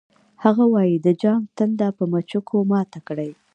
هغه وایی د جام تنده په مچکو ماته کړئ